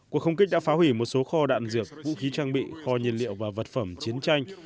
cuộc không kích đã phá hủy một số kho đạn dược vũ khí trang bị kho nhiên liệu và vật phẩm chiến tranh